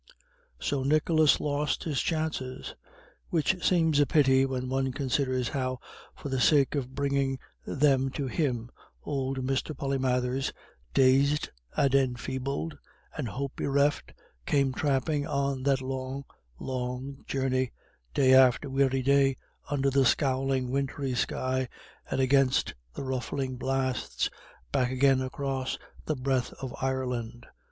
So Nicholas lost his chances, which seems a pity when one considers how, for the sake of bringing them to him, old Mr. Polymathers, dazed and enfeebled and hope bereft, came tramping on that long, long journey, day after weary day, under the scowling wintry sky, and against the ruffling blasts, back again across the breadth of Ireland.